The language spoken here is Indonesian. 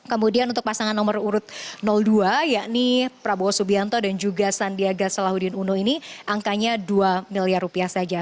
kemudian untuk pasangan nomor urut dua yakni prabowo subianto dan juga sandiaga salahuddin uno ini angkanya dua miliar rupiah saja